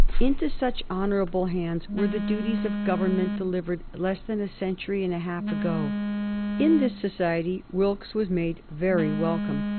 Into such honorable hands were the duties of government delivered less than a century and a half ago. [Sidenote: 1763 Wilkes's profligacy] In this society Wilkes was made very welcome.